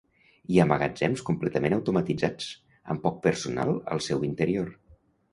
Hi ha magatzems completament automatitzats, amb poc personal al seu interior.